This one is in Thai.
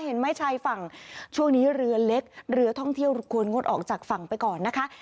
เห็นไหมชายฝั่งช่วงนี้เรือเล็กเรือท่องเที่ยวควรงดออกจากฝั่งไปก่อนนะคะ